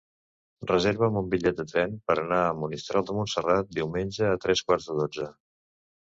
Reserva'm un bitllet de tren per anar a Monistrol de Montserrat diumenge a tres quarts de dotze.